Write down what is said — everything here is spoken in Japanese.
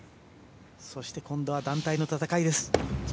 そして今度は団体の戦い。